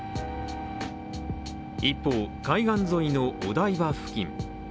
一方、海岸沿いのお台場付近。